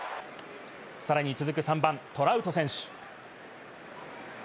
さらに続く３番・トラウト選手。